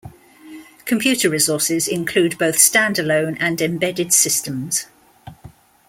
Computer resources include both stand-alone and embedded systems.